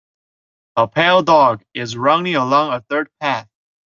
A pale dog is running along a dirt path.